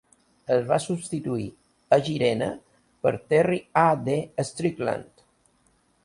Es va substituir a Gerena per Terry A. D. Strickland.